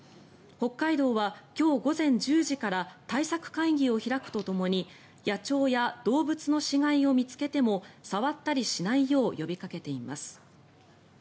北海道は今日午前１０時から対策会議を開くとともに野鳥や動物の死骸を見つけても触ったりしないよう呼びかけています。